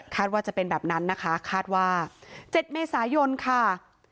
ว่าจะเป็นแบบนั้นนะคะคาดว่า๗เมษายนค่ะ